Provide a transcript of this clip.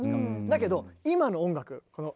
だけど今の音楽この。